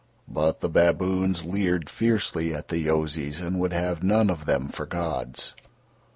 But the baboons leered fiercely at the Yozis and would have none of them for gods.